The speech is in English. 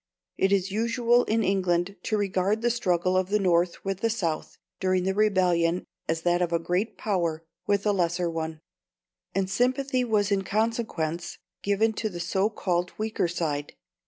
It is usual in England to regard the struggle of the North with the South during the Rebellion as that of a great power with a lesser one, and sympathy was in consequence given to the so called weaker side.